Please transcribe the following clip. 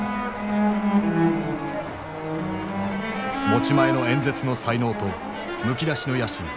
持ち前の演説の才能とむき出しの野心。